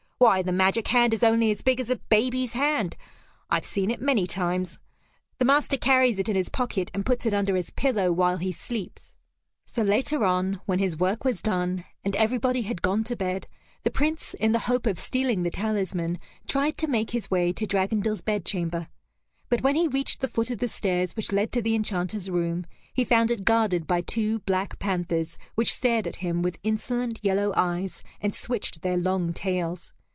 "Why, the magic hand is only as big as a baby's hand. I've seen it many times. The master carries it in his pocket, and puts it under his pillow while he sleeps." So, later on, when his work was done, and everybody had gone to bed, the Prince, in the hope of stealing the talisman, tried to make his way to Dragondel's bedchamber. But when he reached the foot of the stairs which led to the Enchanter's room, he found it guarded by two black panthers which stared at him with insolent yellow eyes and switched their long tails.